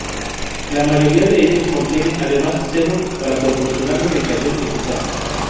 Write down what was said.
La mayoría de ellos contiene además sebo para proporcionar lubricación eficaz.